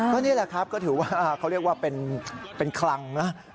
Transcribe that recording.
ก็นี่แหละครับก็ถือว่าเขาเรียกว่าเป็นคลังนะ